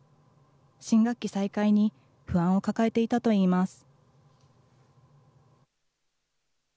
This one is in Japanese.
新学期再開に不安を抱えていたといいます。